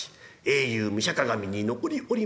英雄武者鑑に残りおります